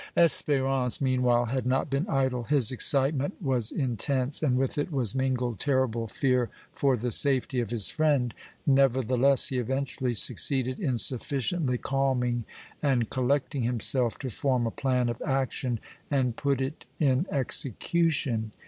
Espérance meanwhile had not been idle. His excitement was intense, and with it was mingled terrible fear for the safety of his friend. Nevertheless, he eventually succeeded in sufficiently calming and collecting himself to form a plan of action and put it in execution.